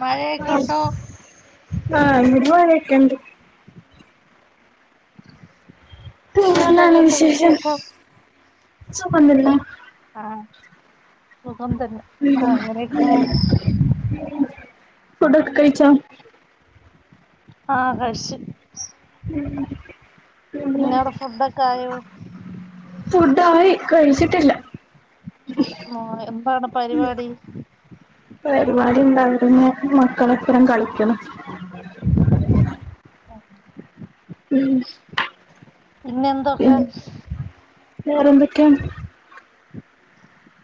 മഴയൊക്കെ ഉണ്ടോ ആഹ ന്ന്മഴയൊക്കെണ്ട് എന്തൊക്കെണ്ട് വിശേഷം സുഖം തന്നെ ആ സുഖം തന്നെ ആ അങ്ങനെയൊക്ക [unintelligible] ഫുടൊക്കെ കഴിച്ചോ ആ കയിച് ഉം പിന്നവിടെ ഫുഡൊക്കെ ആയോ ഫുഡ് ആയി കഴിച്ചിട്ടില്ല ആ എന്താണ് പരിപാടി മക്കളൊപ്പരം കളിക്കണം ഉം പിന്നന്തൊക്കെ ആരംഭിക്കാം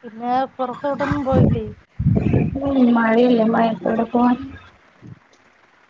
പിന്നെ പുറത്തോട്ടൊന്നും പോയില്ലേ ഉ മഴ ഇല്ലേ മഴ എവിടെ പ്പോകാൻ [inaudible]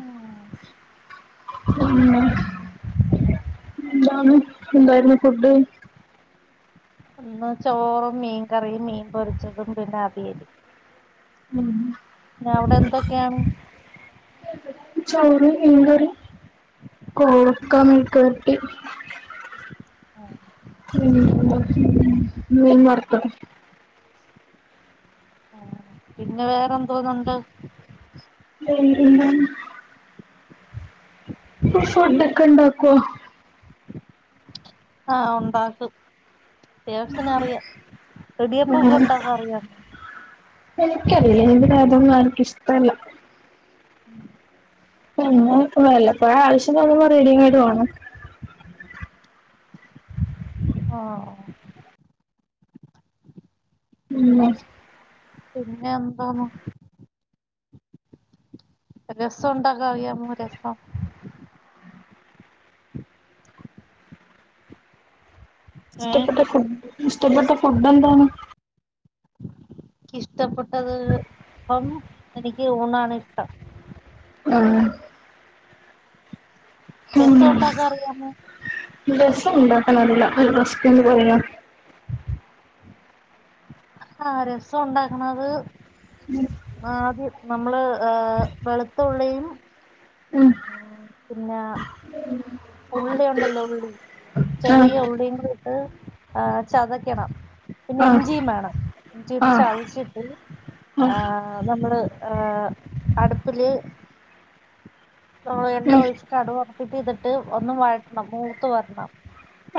ഉം ഉം ന്താണ് എന്തായിരുന്നു ഫുഡ് ഇന്ന് ചോറും മീൻ കറിയും മീൻ പൊരിച്ചതും പിന്നെ അവിയലും മ് പിന്നെ അവിടെ എന്തൊക്കെയാണ് ചോറ് മീൻ കറി ഉം, കോവക്കാമെഴുക്ക് പെര ട്ടി ഉം, [unintelligible] [unintelligible] ആ പിന്നെ വേ തോന്ന്ണ്ട് [unintelligible] ഫുഡൊക്കെ ഇണ്ടാക്കുവ ആ ഉണ്ടാക്കും ദൈവത്തിനു അറിയാം എടിയപ്പൊക്കെ ഉണ്ടാക്കാ അറിയ എനിക്കറില്ല എതി അതൊന്നും ആർക്ക ഇഷ്ടല്ല [inaudible] വല്ലപ്പോഴും ആവിശ്യത്തിന് റെഡിമടെ വേണം ആ [inaudible] മ് പിന്നെ എന്താന്ന രസം ഉണ്ടാക്കാനറിയാമോ രസം ഏഹ് [unintelligible] ഇഷ്ടപ്പെട്ട ഫുഡ് എന്താണ് എനിക്കിഷ്ടപ്പെട്ടത് എനിക്ക് ഊണാണിഷ്ടം ആ രസം ഉണ്ടാക്കാൻ അറിയാമോ രസ്സ ഉണ്ടാക്കാൻ അറില്ല [unintelligible] ആ രസം ഉണ്ടാക്കണത് ആദ്യം നമ്മള് ഏ വെളുത്തുള്ളും ഉം ആ പിന്നെ ഉള്ളി ഉണ്ടല്ലേ ഉള്ളി ആഹ് ചെറിയ ഉള്ളി [unintelligible] ചതക്കണം പിന്നെ ഇഞ്ചിയും വേണം ഇഞ്ചിട്ട് ആഹ് ചതച്ചിട്ട് ആ ആഹ് ആഹ് നമ്മള് അടുപ്പില് നമ്മള് എണ്ണ ഉം ഒഴിച്ചിട്ട് കടു വറത്തിട്ട് ഇതിട്ട് ഒന്നും വഴറ്റണം മൂത്ത് വരണം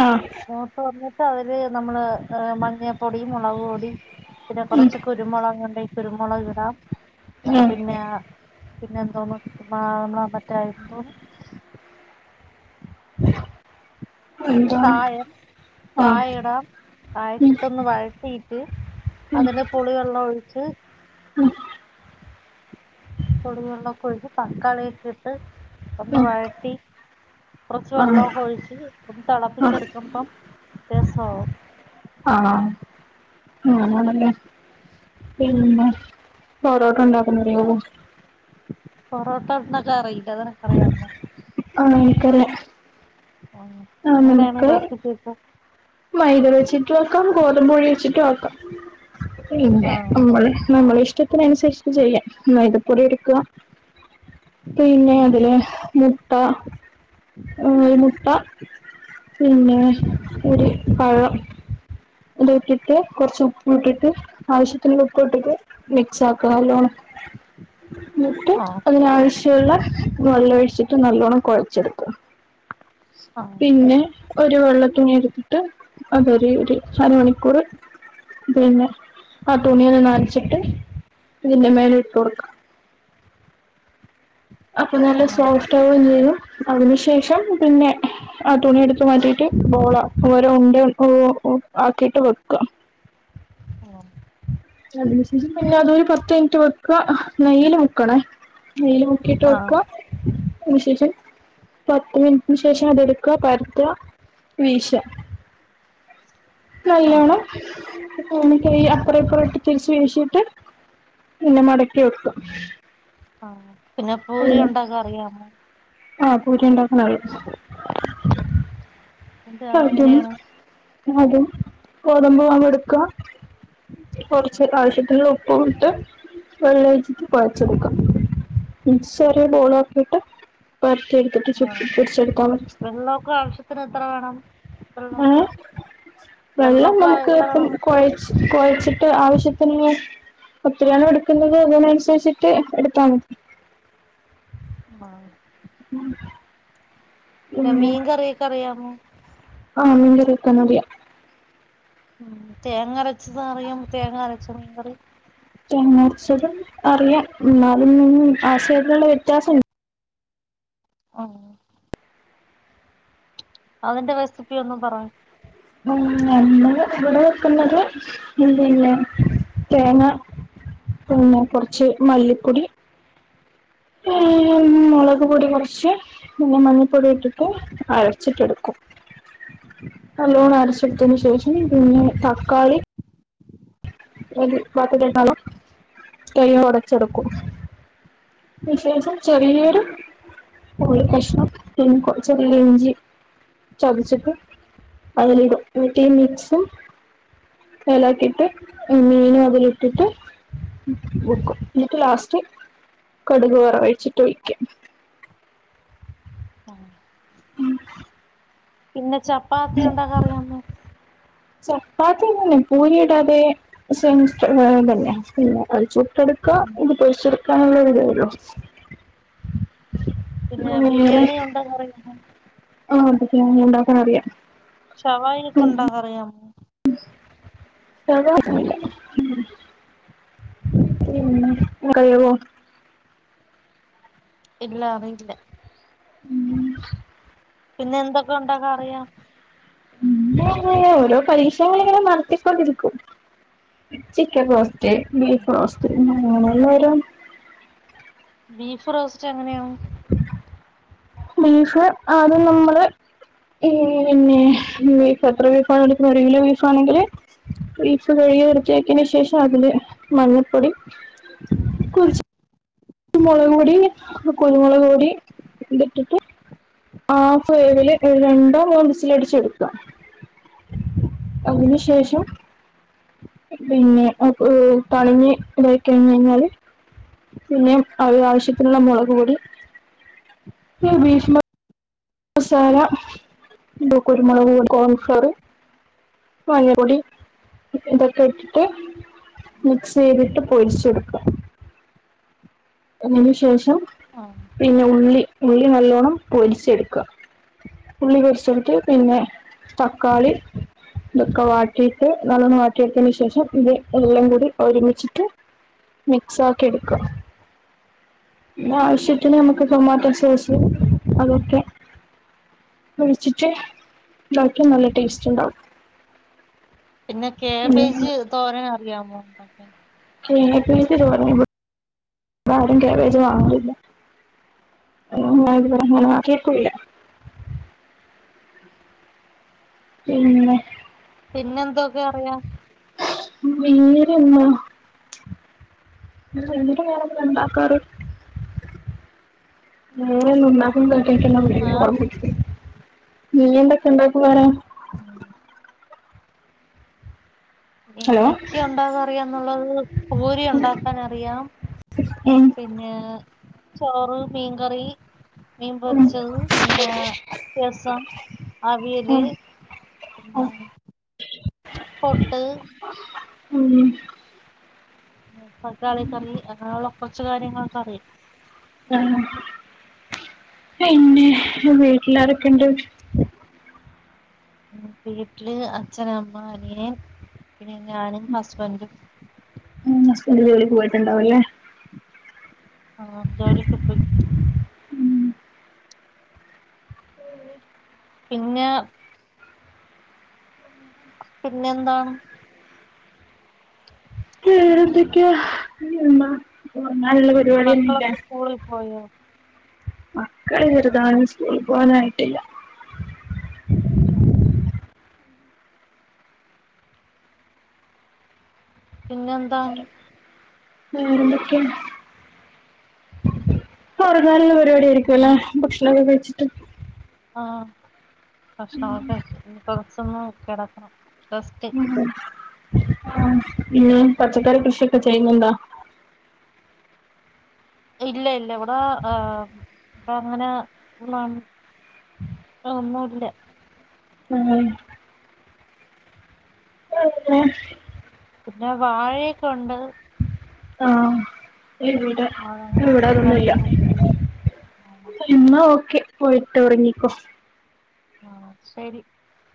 ആഹ് മൂത്ത് വന്നിട്ട് അതില് നമ്മള് മഞ്ഞപ്പൊടി മുളക് പൊടി പിന്നെ ഉം കൊറച്ച് കുരുമുളക്ണ്ടെങ്ക കുരുമുളക് ഇടാം ഉം പിന്നെ പിന്നെ എന്തോന്നും [unintelligible] മറ്റായ്പോ ന്താണ് കായം കായ ഇടാം കായക്കിട്ടൊന്ന് വഴറ്റിയിട്ട് ഉം അതിന്റെ പുളി വെള്ളം ഒഴിച്ച് ഉം പുളിവെള്ളമൊക്കെ ഒഴിച്ച് തക്കാളിയൊക്കെ ഇട്ട് ഒന്ന് ഉം വഴറ്റി കുറച്ച് ആഹ് വെള്ളൊക്കെ ഒഴിച്ചിട്ട് [unintelligible] തി ആഹ് ളപ്പിച്ചെടുക്കുമ്പം രസമാവും ആഹ അങ്ങനെ പിന്നെ പൊറോട്ട ഉണ്ടാക്കുന്നത് അറിയാമോ? പൊറോട്ടന്നൊക്കെ അറിയില്ല അത് നിനക്ക് അറിയമോ? ആഹ് എനിക്കല്ലേ ആ എങ്ങനെയാണ് [unintelligible] പ്രസിപ്പക്ക മൈദ വെച്ചിട്ട് വെക്കാം ഗോതമ്പൊഴിച്ചിട്ട് ആക്കാം ഇല്ലെ ആഹ് നമ്മളെ നമ്മളെ ഇഷ്- ഇഷ്ടത്തിനനുസരിച്ചി് ചെയ്യാം മൈദപ്പൊടി എടുക്കുക പിന്നെ അതില് മുട്ട കോഴിമുട്ട പിന്നെ ഒരു പഴം ഇത് ഇട്ടിട്ട് കൊറച്ച് ഉപ്പ് ഇട്ടിട്ട് ആവശ്യത്തിന് ഉപ്പ് ഇട്ടിട്ട് മിക്സ് ആക്കുക നല്ലോണം എന്നിട്ട് ആഹ് അതിനാവശ്യമുള്ള വെള്ളം ഒഴിച്ചിട്ട് നല്ലോണം കൊഴച്ചെടുക്കുവ ആഹ് പിന്നെ ഒരു വെള്ളത്തി- [unintelligible] ട്ട് അതൊരു ഒരു അര മണിക്കൂറ് പിന്നെ ആ തുണിയെല്ലാം നനച്ചിട്ട് ഇതിന്റെ മേലെ ഇട്ട് കൊടുക്കാം അപ്പംനല്ല ആഹ് സോഫ്ടാവും ചെയ്യും അതിനു ശേഷം പിന്നെ ആ തുണി എടുത്ത് മാറ്റിട്ട് ബോള ഓരോ ഉണ്ട ഉ ആക്കിട്ട് വെക്കുക ആ അ [unintelligible] പിന്നെ അതൊരു പത്ത് മിനിറ്റ് വെക്കുക നെയ്യില് മുക്കണേ നെയ്യിൽ മു കേട്ടടുക്ക ആഹ് [unintelligible] അതിന് ശേഷം പത്ത് മിനിറ്റ്ന്ന് ശേഷം അതെടുക്കുവ പരുത്ത വീശ ആഹ് നല്ലോണം ക അപ്പറപ്പറ ഇട്ട് തിരിച്ച് വീശീട്ട് പിന്നെ മടക്കി വെക്ക ആ പിന്നെ പൂരി ഉണ്ടാക്കാൻ അറിയാമോ ആ പൂരിണ്ടാക്കാനറിയാം അതെ അതെങ്ങനെയാണ് ആദ്യം ഗോതമ്പുമാവ് എട്ക്ക്വാ. കുറച്ച് ആവശ്യത്തിുള്ള ഉപ്പും ഇട്ട് വെള്ളം ഒഴിച്ചിട്ട് കുഴച്ചെടുക്കാം. സരി ബോണക്കിട്ട് [unintelligible] പരത്തി എടുത്തിട്ട് ആഹ് ചുട്ടെടുടുക്കാവ- വെള്ളമൊക്കെ ആവശ്യത്തിന് എത്ര വേണം? ആ വെള്ളമൊക്കെ വെള്ളം വെള്ളമൊക്കെ നമുക്ക് എത്ര ഇപ്പം വേണം? കുഴച്ചെ- കൊഴച്ചിട്ട് ആവശ്യത്തിന് ഒത്തിരിയാണോ എടുക്കുന്നത് അതിനന്നുസരിച്ചിട്ട് എടുത്താൽ മതി ആഹ് ഉം പിന്നെ മീൻ കറിയൊക്കെറിയാമോ? ആഹ് മീൻകറി വെക്കാനറിയാം. ഉ തേങ്ങ അരച്ചതാ അറിയാം. തേങ്ങ അരച്ച മീൻകറി തേങ്ങ അരച്ചതും അറിയാം എന്നാലും ഉംആശയത്തിനുള്ള വ്യത്യാസംണ്ട് ഓ അതിന്റെ റെസിപ്പി ഒന്നും പറ നമ്മ ഇവിടെ വെക്കുന്നത് എ പിന്നെ തേങ്ങ പിന്നെ കുറച്ച് മല്ലിപ്പൊടി ഉ ഉം നളക്ക പല്ല പിെ മഞ്ഞിപ്പൊടി ഇട്ടിട്ട് അരച്ചിട്ടെടുക്കും ആലോണ ആഹ് ആറി ശറ്റനി ശച്ച തക്കാളി ത് പധങ്ങളും കഴ ഉടച്ചെടുക്കും വിശേഷേഷം ചെറിയീട് ആഹ് കഷ്ണം പി കൊച്ചറ ഇഞ്ചി ചതച്ചിട്ട് അതിലിടും വട്ട മിക്സും ഇലക്കി ഇട്ട് മീനും അതില ഇട്ടിട്ട് വക്കും എന്നിട്ട് ലാസ്റ്റ് കടുക് വറവഴിച്ചിട്ട് ഒഴിക്കാം ആഹ പിന്നെ ചപ്പാത്തി ഉണ്ടാക്ക അറിയന്ന് ചപ്പാത്തി തന്നെ പൂരി ഇടാതെ തന്നെയെ പിന്നെു എടുക്ക ഇത് പോിച്ചക്കുള്ള ഉ പിന്നെ ബിരിയാണി ഉണ്ടോന്ന് അറിയ്പോ ആഹ അതൊക്കെ ഞ ഉണ്ടാക്കാൻ അറിയാം ശവായി ഒക്കെ ഉണ്ടാ അറിയാമോ ക്കവോ ഇല്ല അല്ല ഉം പിന്നെ എന്തൊക്കെ ഉണ്ടാക്കാ അറിയാം ങ്ങ ഓരോ പരീക്ഷകൾ ഇങ്ങനെ നടത്തിക്കൊണ്ടിരിക്കും ചിക്കൻ പ്പോ ഉം വസ് അങ്ങന ഒന്ന വര ബീഫ് റോസ്റ്റ് എങ്ങനെയാണ് ബീഫ് ആദ്യ നമ്മള് പിന്നെത്ര ബീഫ ആണ ഒരു കിലോ ബീഫ്ാണെങ്കില് ബീഫ് കഴുകി വൃത്തിയാക്കിയന് ശേഷം അതില് മണ്ിപ്പൊടി കുച്ച കുരുമുളക് പൊടി കുരുമുളക് പടി ഇ ഇട്ടിട്ട് ഹാഫ് വേവില് രണ്ടോ മൂസിലടിച്ചെടുക്കുക അതിു ആഹ് ശേഷം പിന്നെ പളിഞ്ഞ് ഇതായി കഴി കഴിഞ്ഞാല് പിന്നെയും ഒരു ആാവശ്യത്തിനുള്ള മുളക് പൂടി ഭീഷ മസാല ഇ കുരുമുളക് കോൺഫ്ലോർ വഴപ്പൊടി ഇതൊക്കെ ഇട്ടിട്ട് മിക്സ് ചെയ്തിട്ട് പൊരിച്ചെടുക്കുക എു ശേഷം ആഹ് പിന്നെ ഉള്ളി ഉള്ളി നല്ലോണ്ണം പൊരിച്ചെടുക്കുക ഉള്ളി കുറിച്ചെടുട്ട പിന്നെ തക്കാളി ഇതൊക്കെ വാട്ടിയിട്ട് നല്ലോണം വാട്ടിയെടുത്തന് ശേഷം ഇത് എല്ലം കൂടി ഒരുമിച്ചിട്ട് മിക്സ് ആക്കി എടുക്കുക്യ ചിട്ടന് ആഹ് നമുക്ക് ടൊമാട്ടോ സേശു അതൊക്കെ ഒഴിച്ചിട്ട് തൊക്കും നല്ല ടേസ്റ്റ് ഉണ്ടാവും പിന്നെ കാബേജ് തോരന [unintelligible] [unintelligible] [unintelligible] കുല്ല മം പിന്നെന്തൊക്കെ അറിയാ വേറെന്താ [unintelligible] ഉണ്ടാക്കാറ് വേറൊന്നും [unintelligible] ഉണ്ടാക്കണ്ട ആഹ് [unintelligible] നീ എന്തൊക്കെണ്ടാക്കും വേറെ ഉം ഹലോ എനിക്കി ഉണ്ടാകാൻ അറിയാംന്നുള്ളത് പൂരി ഉണ്ടാക്കാൻ അറിയാം ഉം പിന്നേ ചോറ് മീൻകറി മീൻ ഉം പൊരിച്ചത് പിന്നെ രസം അവീല് ഉം പൊട്ട് ഉം തക്കാളി കറി അങ്ങനൊള്ള കൊറച് കാര്യങ്ങളൊക്കെ അറിയും ആ പിന്നെ വീട്ടിലാരോക്കെ ഇണ്ട് വീട്ടില് അച്ഛൻ അമ്മ അനിയൻ പിന്നെ ഞാനും ഹസ്ബന്റും ഉം ഹസ്ബന്റ് ജോലിക്ക് പോയിട്ട്ണ്ടാവും ല്ലേ ആ ജോലിക്ക് പോയി പിന്നാ പിന്നെ എന്താണ് വേറേന്തൊക്കെയാ [unintelligible] മക്കളൊക്കെ സ്കൂളിൽ പോയോ മക്കള് ചെറുതാണ് സ്കൂളിൽ പോവാനായിട്ടില്ല ആ പിന്നെന്താ വേറെന്തൊക്കെ [unintelligible] [unintelligible] ക്കുല്ലേ പിന്നെ ഭക്ഷണൊക്കെ കഴിച്ചി ചിട്ട് ആ ഭക്ഷണൊക്കെ കഴിച്ചി നിപ്പോ സൊന്ന് കെടക്കണം [unintelligible] ആ പിന്നെ പച്ചക്കറി കൃഷിയൊക്കെ ചെയ്യുന്നുണ്ടോ ഇല്ല ഇല്ല ഇവിടെ ആ ഇവടെ അങ്ങനെ ഒന്നുംല്ല ഉം ഏ പിന്നെ വാഴയൊക്കെ ഉണ്ട് ആ ഇവിടെ ആഹ് അങ്ങനെ ഇവിടെ അതൊന്നുംല്ല കാര്യങ്ങള് എന്ന ഓക്കേ ക്കെ പോയിട്ട് ഉറങ്ങിക്കോ ആ ശരി